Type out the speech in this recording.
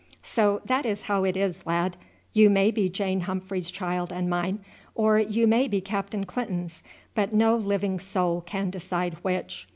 So that is how it is, lad. You may be Jane Humphreys' child and mine, or you may be Captain Clinton's, but no living soul can decide which.